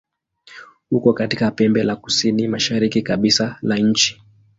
Uko katika pembe la kusini-mashariki kabisa la nchi.